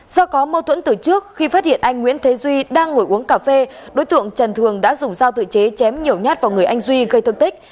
do có mâu thuẫn từ trước khi phát hiện anh nguyễn thế duy đang ngồi uống cà phê đối tượng trần thường đã dùng dao tự chế chém nhiều nhát vào người anh duy gây thương tích